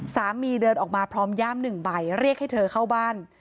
เดินออกมาพร้อมย่ามหนึ่งใบเรียกให้เธอเข้าบ้าน